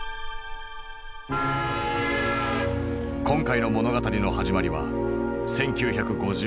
今回の物語の始まりは１９５４年１０月。